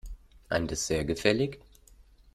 Ein Dessert gefällig?